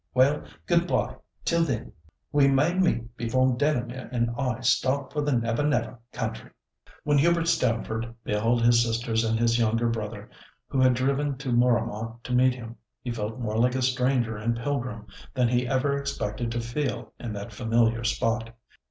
Well, good bye till then. We may meet before Delamere and I start for the 'Never Never' country." When Hubert Stamford beheld his sisters and his younger brother, who had driven to Mooramah to meet him, he felt more like a stranger and pilgrim than he ever expected to feel in that familiar spot.